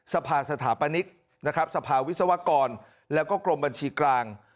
สภาสถาปนิกนะครับสภาวิศวกรแล้วก็กรมบัญชีกลาง